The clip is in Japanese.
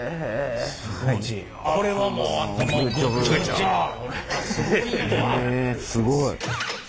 えすごい。